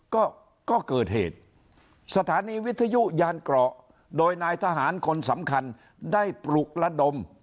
ก็ก็เกิดเหตุสถานีวิทยุยานเกราะโดยนายทหารคนสำคัญได้ปลุกระดม